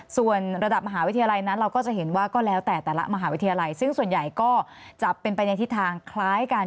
ส่วนระดับมหาวิทยาลัยนั้นเราก็จะเห็นว่าก็แล้วแต่แต่ละมหาวิทยาลัยซึ่งส่วนใหญ่ก็จะเป็นไปในทิศทางคล้ายกัน